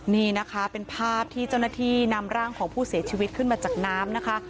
นี่นะคะเป็นภาพที่เจ้าหน้าที่นำร่างของผู้เสียชีวิตขึ้นมาจากน้ำนะคะ